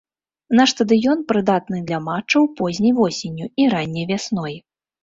Наш стадыён прыдатны для матчаў позняй восенню і ранняй вясной.